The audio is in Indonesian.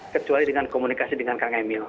kecuali dengan komunikasi dengan kang emil